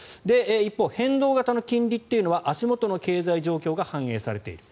一方、変動型の金利は足元の経済状況が反映されている。